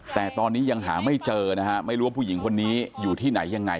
แต่ตอนนี้ยังหาไม่เจอนะฮะไม่รู้ว่าผู้หญิงคนนี้อยู่ที่ไหนยังไง